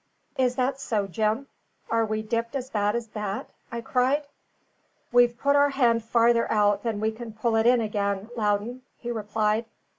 "Is that so, Jim? Are we dipped as bad as that?" I cried. "We've put our hand farther out than we can pull it in again, Loudon," he replied.